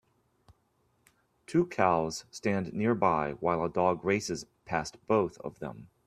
Two cows stand nearby while a dog races past both of them.